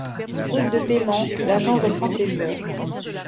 Faute de paiements, l’agent reprend ses joueurs.